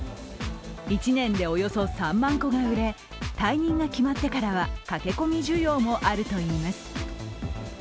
１年でおよそ３万個が売れ、退任が決まってからは駆け込み需要もあるといいます。